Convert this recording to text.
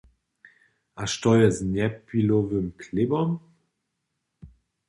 A što je z Njepilowym chlěbom?